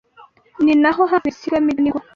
Ni naho havuye Insigamigani ngo